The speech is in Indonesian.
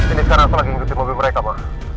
ini sekarang aku lagi ngikutin mobil mereka ma